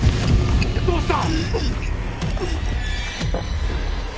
どうした！？